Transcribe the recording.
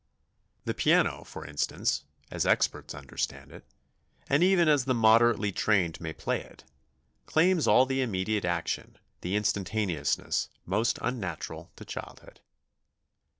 The piano, for instance, as experts understand it, and even as the moderately trained may play it, claims all the immediate action, the instantaneousness, most unnatural to childhood.